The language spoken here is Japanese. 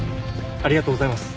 ありがとうございます。